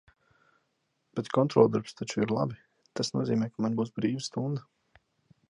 Bet kontroldarbs taču ir labi! Tas nozīmē, ka man būs brīva stunda.